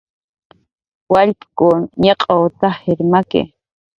"Wallpkun ñaq'w t""ajir maki"